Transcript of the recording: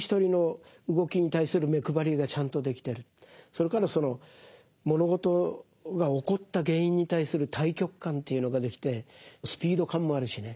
それからその物事が起こった原因に対する大局観というのができてスピード感もあるしね。